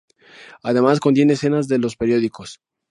Además contiene escenas de lo de periódicos.